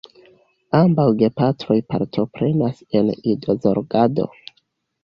Ambaŭ gepatroj partoprenas en idozorgado.